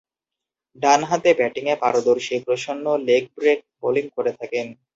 ডানহাতে ব্যাটিংয়ে পারদর্শী প্রসন্ন লেগ ব্রেক বোলিং করে থাকেন।